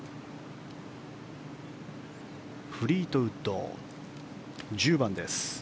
フリートウッド、１０番です。